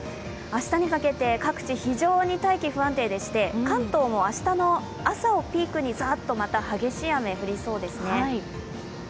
明日にかけて各地非常に大気不安定でして関東も明日の朝をピークにざっと激しい雨が降りそうです。